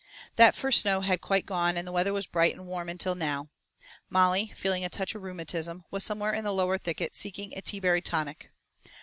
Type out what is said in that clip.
That first snow had quite gone and the weather was bright and warm until now. Molly, feeling a touch of rheumatism, was somewhere in the lower thicket seeking a teaberry tonic.